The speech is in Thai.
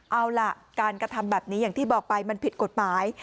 เอาล่ะการกระทำแบบนี้อย่างที่บอกไปมันผิดกฎหมาย